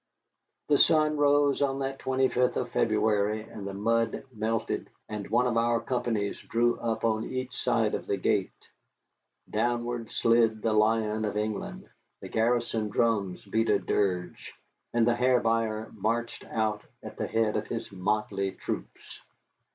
The sun rose on that 25th of February, and the mud melted, and one of our companies drew up on each side of the gate. Downward slid the lion of England, the garrison drums beat a dirge, and the Hair Buyer marched out at the head of his motley troops.